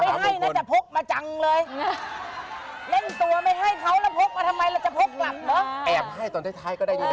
สวยค่ะโหง่ะ